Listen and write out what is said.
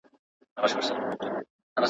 تقلبي زعفران په بازار کې ځای نه لري.